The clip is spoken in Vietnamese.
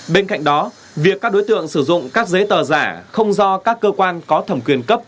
bên cạnh đó việc các đối tượng sử dụng các giấy tờ giả không do các cơ quan có thẩm quyền cấp